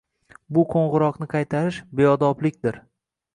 Bu qo‘ng‘iroqni qaytarish beodoblikdir.